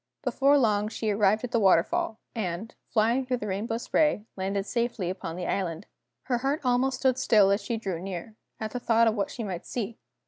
Before long she arrived at the waterfall, and, flying through the rainbow spray, landed safely upon the island. Her heart almost stood still as she drew near, at the thought of what she might see.